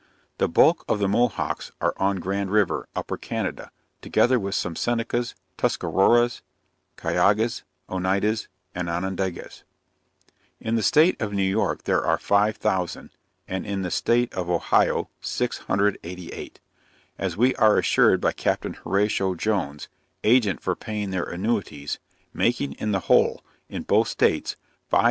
The bulk of the Mohawks are on Grand River, Upper Canada, together with some Senecas, Tuscaroras, Cayugas, Oneidas, and Onondagas. In the state of New York there are 5000, and in the state of Ohio 688, as we are assured by Capt. Horatio Jones, agent for paying their annuities, making in the whole, in both states, 5688.